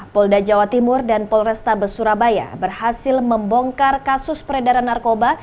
polda jawa timur dan polrestabes surabaya berhasil membongkar kasus peredaran narkoba